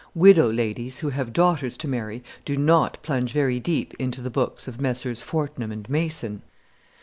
Widow ladies who have daughters to marry do not plunge very deep into the books of Messrs. Fortnum and Mason.